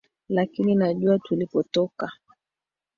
lakini najua tulipotoka